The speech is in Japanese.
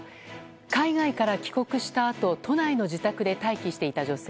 海外から帰国したあと都内の自宅で待機していた女性。